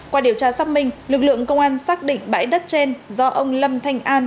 qua điều tra xác minh lực lượng công an xác định bãi đất trên do ông lâm thanh an